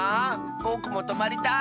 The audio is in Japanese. ぼくもとまりたい！